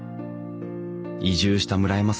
移住した村山さん。